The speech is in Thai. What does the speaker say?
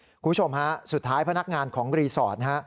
คุณผู้ชมฮะสุดท้ายพนักงานของรีสอร์ทนะฮะ